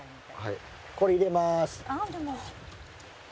これ入れます。